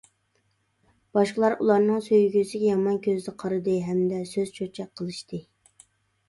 باشقىلار ئۇلارنىڭ سۆيگۈسىگە يامان كۆزدە قارىدى ھەمدە سۆز-چۆچەك قىلىشتى.